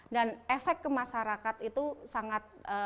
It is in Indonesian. dan efek kemasyarakat itu sangat